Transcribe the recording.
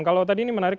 kalau tadi ini menarik